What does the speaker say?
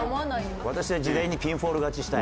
「私は時代にピンフォール勝ちしたい」。